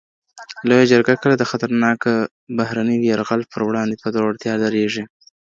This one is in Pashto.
لویه جرګه کله د خطرناک بهرني یرغل پر وړاندې په زړورتیا درېږي؟